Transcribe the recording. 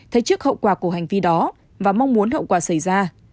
thấy trước hậu quả của hành vi đó và mong muốn hậu quả xảy ra